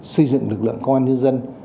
xây dựng lực lượng công an nhân dân